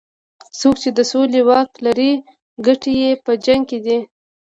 څوک چې د سولې واک لري ګټې یې په جنګ کې دي.